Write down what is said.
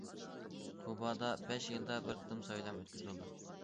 كۇبادا بەش يىلدا بىر قېتىم سايلام ئۆتكۈزۈلىدۇ.